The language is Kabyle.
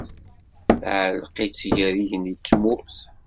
tɛelleq-itt gar yigenni d tmurt.